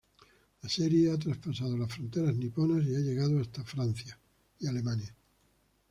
La serie ha traspasado las fronteras niponas y ha llegado hasta Francia, Alemania.